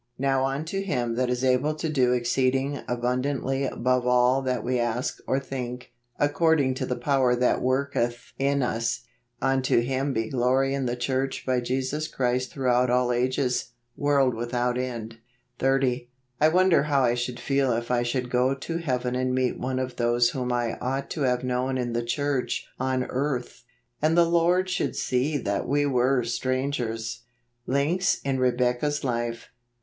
" Now unto him that is able to do exceeding abun¬ dantly above all that we ask or think , according to the power that worketli in us , Unto him be glory in the Church by Jesus Christ throughout all ages, world without end." 30. I wonder how I should feel if I should go to heaven and meet one of those whom I ought to have known in the church on earth, and the Lord should see that we were strangers! Links in Rebecca's Life.